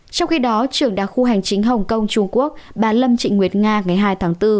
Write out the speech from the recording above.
trong khi đó trưởng đặc khu hành chính hồng kông trung quốc bà lâm trịnh nguyệt nga ngày hai tháng bốn